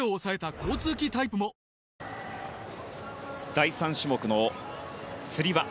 第３種目のつり輪。